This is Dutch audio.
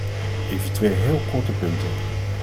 Even twee heel korte punten.